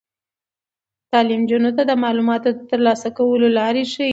تعلیم نجونو ته د معلوماتو د ترلاسه کولو لار ښيي.